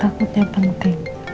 takut yang penting